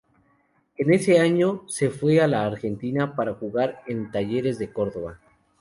En ese año se fue a la Argentina para jugar en Talleres de Córdoba.